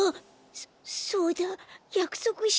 そそうだやくそくしたんだ。